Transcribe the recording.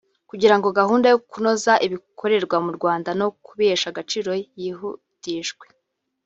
kugira ngo gahunda yo kunoza ibikorerwa mu Rwanda no kubihesha agaciro yihutishwe